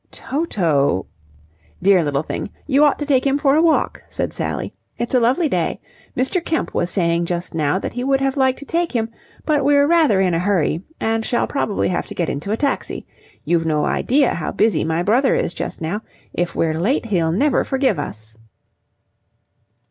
"Toto..." "Dear little thing! You ought to take him for a walk," said Sally. "It's a lovely day. Mr. Kemp was saying just now that he would have liked to take him, but we're rather in a hurry and shall probably have to get into a taxi. You've no idea how busy my brother is just now. If we're late, he'll never forgive us."